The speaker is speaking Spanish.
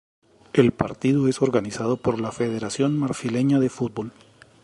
El partido es organizado por la Federación Marfileña de Fútbol.